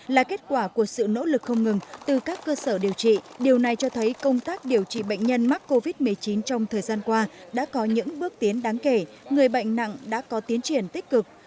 là kết quả của sự nỗ lực không ngừng từ các cơ sở điều trị điều này cho thấy công tác điều trị bệnh nhân mắc covid một mươi chín trong thời gian qua đã có những bước tiến đáng kể người bệnh nặng đã có tiến triển tích cực